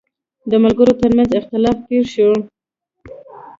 د ملګرو ترمنځ اختلاف پېښ شو.